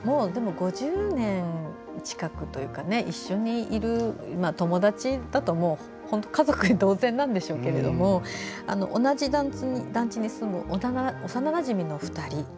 ５０年近く一緒にいる友達だと、本当に家族同然なんでしょうけども同じ団地に住む幼なじみの２人。